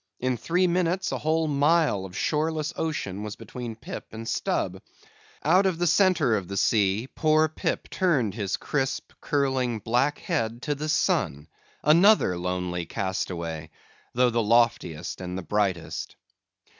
In three minutes, a whole mile of shoreless ocean was between Pip and Stubb. Out from the centre of the sea, poor Pip turned his crisp, curling, black head to the sun, another lonely castaway, though the loftiest and the brightest.